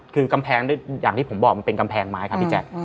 คือกำแพงด้วยอย่างที่ผมบอกมันเป็นกำแพงไม้ครับพี่แจ๊ค